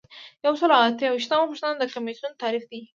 یو سل او اته ویشتمه پوښتنه د کمیسیون تعریف دی.